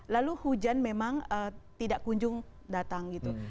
lalu hujan memang tidak kunjung datang gitu